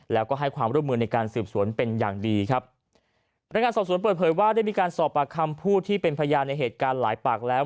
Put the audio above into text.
แล้วก็ให้ความร่วมมือในการสืบสวนเป็นอย่างดีครับพนักงานสอบสวนเปิดเผยว่าได้มีการสอบปากคำผู้ที่เป็นพยานในเหตุการณ์หลายปากแล้ว